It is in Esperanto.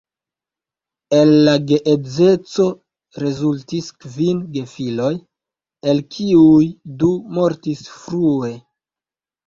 El la geedzeco rezultis kvin gefiloj, el kiuj du mortis frue.